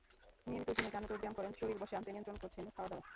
নিয়মিত জিমে যান, যোগব্যায়াম করেন, শরীর বশে আনতে নিয়ন্ত্রণ করছেন খাওয়াদাওয়া।